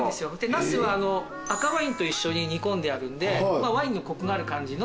ナスは赤ワインと一緒に煮込んであるんでワインのコクがある感じの。